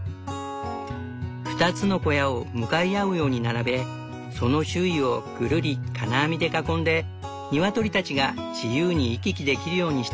２つの小屋を向かい合うように並べその周囲をぐるり金網で囲んでニワトリたちが自由に行き来できるようにした。